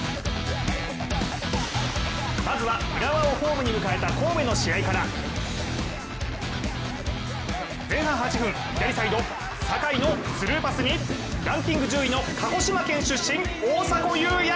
まずは浦和をホームに迎えた神戸の試合から前半８分、左サイド・酒井のスルーパスにランキング１０位の鹿児島県出身、大迫勇也。